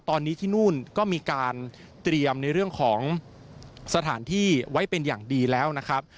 ตอนนี้ที่นู่นก็มีการเตรียมในเรื่องของสถานที่ไว้เป็นอย่างดีแล้วนะครับ